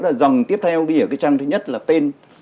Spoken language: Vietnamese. là dòng tiếp theo đi ở cái trang thứ nhất là tên